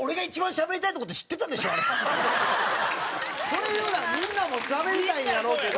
それ言うならみんなもしゃべりたいんやろうけど。